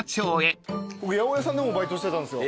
八百屋さんでもバイトしてたんですよ。